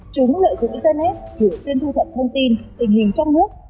chúng lợi dụng internet thường xuyên thu thập thông tin tình hình trong nước